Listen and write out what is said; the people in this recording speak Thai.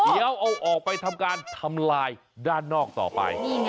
เดี๋ยวเอาออกไปทำการทำลายด้านนอกต่อไป